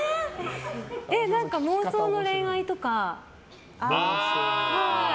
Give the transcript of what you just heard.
何か妄想の恋愛とか。